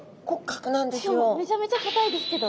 しかもめちゃめちゃかたいですけど。